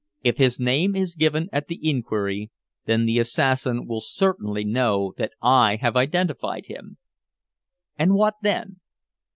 If his name is given at the inquiry, then the assassin will certainly know that I have identified him." "And what then?"